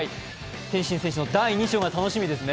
天心選手の第二章が楽しみですね。